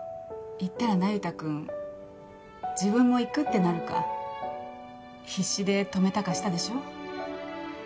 言ったら那由他君自分も行くってなるか必死で止めたかしたでしょう？